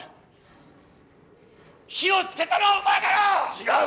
違う！